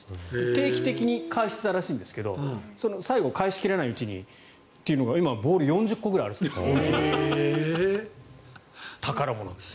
定期的に返してたらしいんですが最後返し切れないうちにというのが今、ボール４０個くらいあるそうです。